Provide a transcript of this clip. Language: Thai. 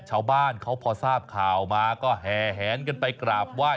ชาวบ้านเขาพอทราบข่าวมาก็แห่แหนกันไปกราบไหว้